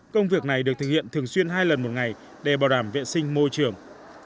công việc này được thực hiện thường xuyên hai lần một ngày để bảo đảm vệ sinh môi trường